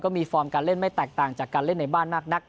มีฟอร์มการเล่นไม่แตกต่างจากการเล่นในบ้านมากนัก